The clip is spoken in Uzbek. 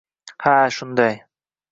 Ha shunday!